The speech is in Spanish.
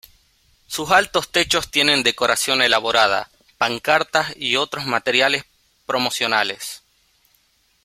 Sus altos techos tienen decoración elaborada, pancartas y otros materiales promocionales.